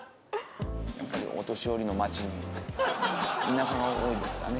お年寄りの町に田舎が多いですかね。